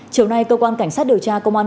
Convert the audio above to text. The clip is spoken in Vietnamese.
chiều nay cơ quan cảnh sát điều tra công an